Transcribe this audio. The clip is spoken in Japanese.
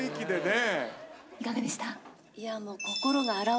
いかがでした？